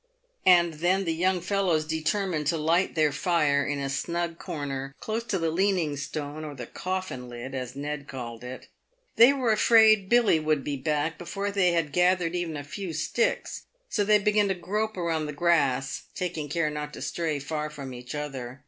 And then the young fellows determined to light their fire in a snug corner close to the leaning stone, or the " coffin lid," as Ned called it. They were afraid Billy would be back before they had gathered even a few sticks. So they began to grope about the grass — taking care not to stray far from each other.